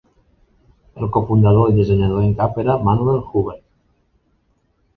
El cofundador i dissenyador en cap era Manuel Huber.